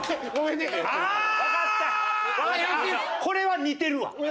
これは似てるわ。